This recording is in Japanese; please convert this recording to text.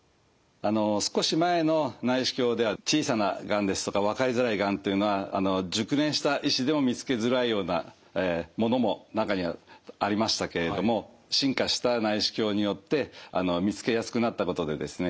少し前の内視鏡では小さながんですとか分かりづらいがんというのは熟練した医師でも見つけづらいようなものも中にはありましたけれども進化した内視鏡によって見つけやすくなったことでですね